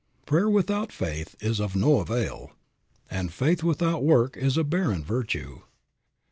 Prayer without faith is of no avail. And faith without work is a barren virtue.